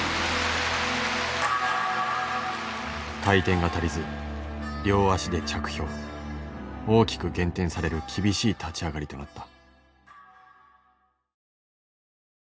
回転が足りず両足で着氷。大きく減点される厳しい立ち上がりとなった。